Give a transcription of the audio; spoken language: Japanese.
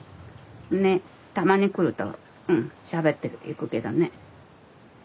たまに来るとしゃべっていくけどね。